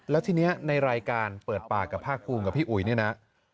แล้วทีนี้ในรายการเปิดปากกับภาคภูมิกับพี่อุ๋ยเนี่ยนะ